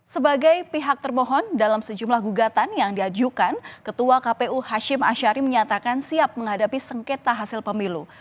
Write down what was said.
sebagai pihak termohon dalam sejumlah gugatan yang diajukan ketua kpu hashim ashari menyatakan siap menghadapi sengketa hasil pemilu